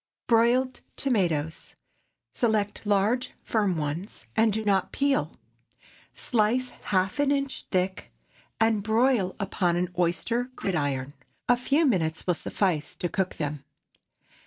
BROILED TOMATOES. Select large, firm ones, and do not peel. Slice half an inch thick, and broil upon an oyster gridiron. A few minutes will suffice to cook them.